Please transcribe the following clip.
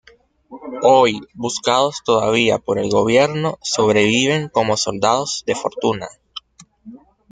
Hoy, buscados todavía por el gobierno, sobreviven como soldados de fortuna.